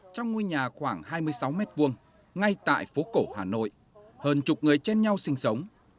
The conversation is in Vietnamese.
trong ngôi nhà khoảng hai mươi sáu m hai ngay tại phố cổ hà nội hơn chục người trên nhau sinh sống